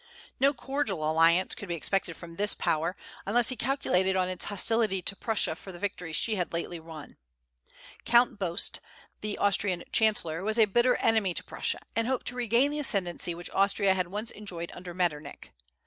No cordial alliance could be expected from this Power, unless he calculated on its hostility to Prussia for the victories she had lately won. Count Beust, the Austrian chancellor, was a bitter enemy to Prussia, and hoped to regain the ascendency which Austria had once enjoyed under Metternich.